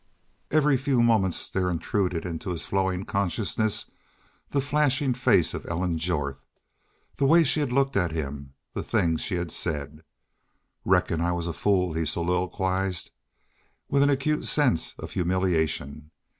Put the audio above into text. Every few moments there intruded into his flowing consciousness the flashing face of Ellen Jorth, the way she had looked at him, the things she had said. "Reckon I was a fool," he soliloquized, with an acute sense of humiliation.